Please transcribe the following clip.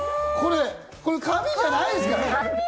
紙じゃないですからね。